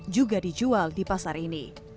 juga dijual di pasar ini